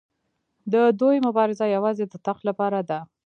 د دوی مبارزه یوازې د تخت لپاره ده.